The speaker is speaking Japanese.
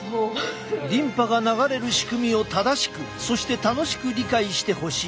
リンパが流れる仕組みを正しくそして楽しく理解してほしい。